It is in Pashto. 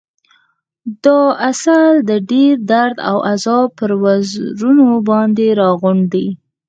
دا عسل د ډېر درد او عذاب پر وزرونو باندې راغونډ دی.